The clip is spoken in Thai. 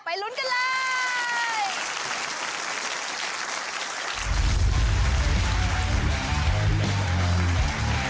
อ๋อใครจะเป็นผู้โชคดี